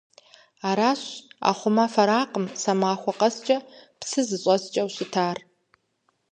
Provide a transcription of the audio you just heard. Аращ, ахъумэ фэракъым, сэ махуэ къэскӀэ псы зыщӀэскӀэу щытар.